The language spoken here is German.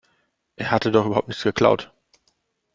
Er hatte doch überhaupt nichts geklaut.